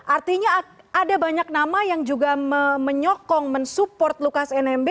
artinya ada banyak nama yang juga menyokong mensupport lukas nmb